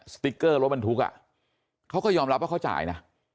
สติ๊กเกอร์รถบรรทุกเขาก็ยอมรับว่าเขาจ่ายนะ